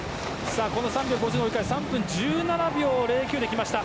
３５０の折り返し３分１７秒０９できました。